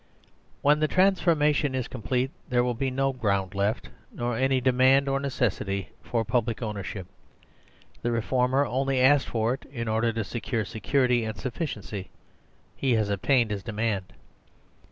When the transformation is complete there will be no ground left, nor any demand or necessity, for public ownership. The reformer only asked for it in order to secure security and sufficiency : he has obtained his demand.